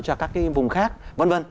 cho các cái vùng khác v v